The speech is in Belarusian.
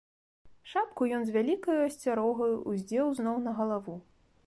Шапку ён з вялікаю асцярогаю ўздзеў зноў на галаву.